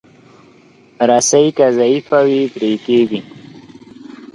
رسۍ که ضعیفه وي، پرې کېږي.